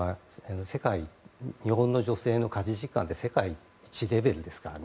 日本の女性の家事時間は世界一レベルですからね。